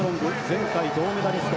前回銅メダリスト。